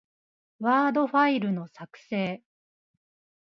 ワードファイルの、作成